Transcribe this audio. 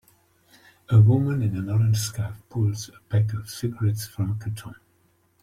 A woman in an orange scarf pulls a pack of cigarettes from a carton.